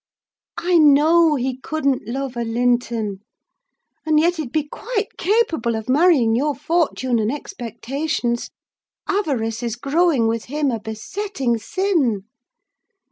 I know he couldn't love a Linton; and yet he'd be quite capable of marrying your fortune and expectations: avarice is growing with him a besetting sin.